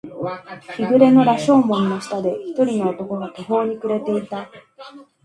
日暮れの羅生門の下で、一人の男が途方に暮れていた。